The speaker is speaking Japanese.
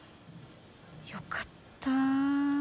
よかった。